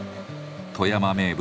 富山名物